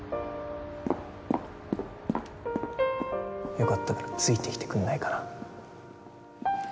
よかったらついてきてくんないかな？